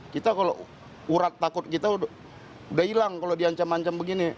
kita kalau urat takut kita sudah hilang kalau di ancam ancam begini